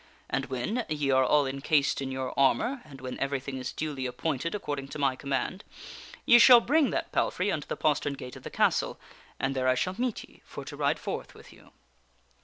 And when ye are all encased in your armor, and when everything is duly appointed accord ing to my command, ye shall bring that palfrey unto the postern gate of the castle, and there I shall meet ye for to ride forth with you."